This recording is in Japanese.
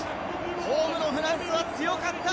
ホームのフランスは強かった！